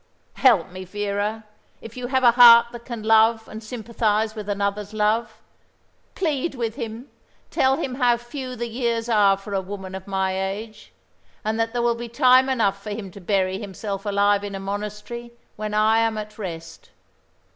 Help me, Vera, if you have a heart that can love and sympathise with another's love. Plead with him, tell him how few the years are for a woman of my age; and that there will be time enough for him to bury himself alive in a monastery when I am at rest.